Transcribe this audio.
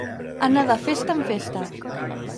Anar de festa en festa.